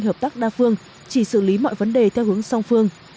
hợp tác đa phương chỉ xử lý mọi vấn đề theo hướng song phương